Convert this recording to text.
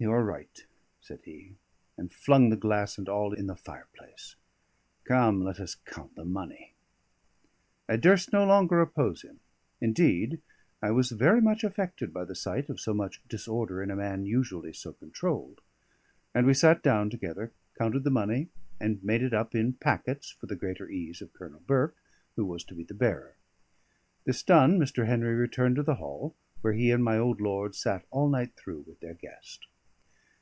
"You are right," said he, and flung glass and all in the fireplace. "Come, let us count the money." I durst no longer oppose him; indeed, I was very much affected by the sight of so much disorder in a man usually so controlled; and we sat down together, counted the money, and made it up in packets for the greater ease of Colonel Burke, who was to be the bearer. This done, Mr. Henry returned to the hall, where he and my old lord sat all night through with their guest.